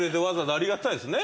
ありがたいですね。